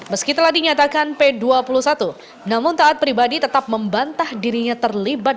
meskitalah dinyatakan p dua puluh satu namun taat pribadi tetap membantah dirinya terlibat